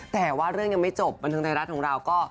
แต่ว่าเรื่องยังไม่จบบันเทิงไทยรัฐของเราก็